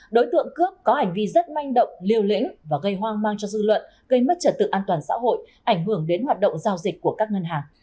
đối tượng cướp có hành vi rất manh động liều lĩnh và gây hoang mang cho dư luận gây mất trật tự an toàn xã hội ảnh hưởng đến hoạt động giao dịch của các ngân hàng